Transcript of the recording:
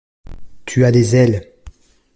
Tu as des ailes!